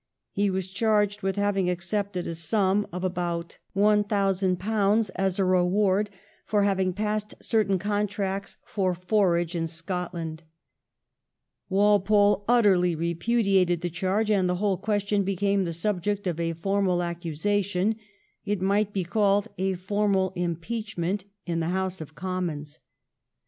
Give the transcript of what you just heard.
He was charged with having accepted a sum of about one 1711 CHARGE AGAINST WALPOLE. 227 thousand pounds as a reward for having passed certain contracts for forage in Scotland. Walpole utterly repudiated the charge, and the whole ques tion became the subject of a formal accusation — it might be called a formal impeachment — in the House of Commons.